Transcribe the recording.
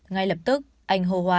ngay lập tức anh hô hoán